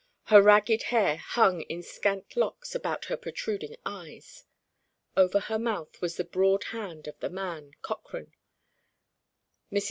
Her ragged hair hung in scant locks about her protruding eyes. Over her mouth was the broad hand of the man, Cochrane. Mrs.